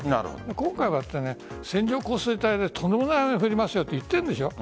今回は線状降水帯で、とんでもない雨降りますよと言っているでしょう。